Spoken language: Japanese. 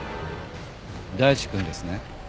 大地くんですね？